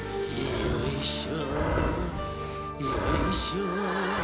「よいしょ」